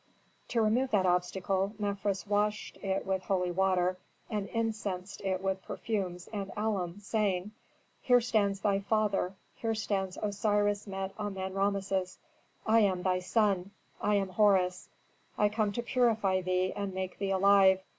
To remove that obstacle Mefres washed it with holy water and incensed it with perfumes and alum, saying, "Here stands thy father; here stands Osiris Mer Amen Rameses. I am thy son; I am Horus; I come to purify thee and make thee alive.